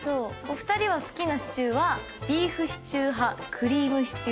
お二人は好きなシチューはビーフシチュー派クリームシチュー派